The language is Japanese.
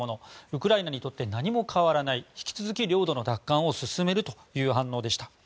ウクライナにとって何も変わらない引き続き領土の奪還を進めるという反応でした。